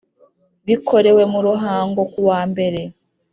Bikorewe mu Ruhango kuwa mbere